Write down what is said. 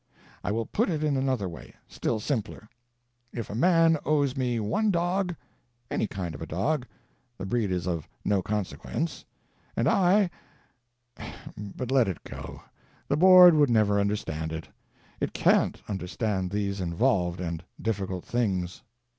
I will put it in another way, still simpler. If a man owes me one dog — any kind of a dog, the breed is of no consequence — and I But let it go; the Board would never understand it. It can't understand these involved and difficult things.